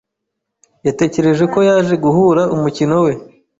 Yatekereje ko yaje guhura umukino we.